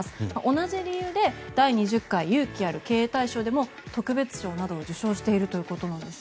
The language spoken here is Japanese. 同じ理由で第２０回勇気ある経営大賞でも特別賞などを受賞しているということなんです。